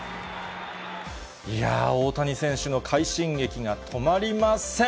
いやぁ、大谷選手の快進撃が止まりません。